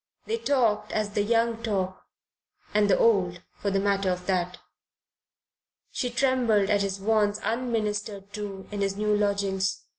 They talked as the young talk and the old, for the matter of that. She trembled at his wants unministered to in his new lodgings.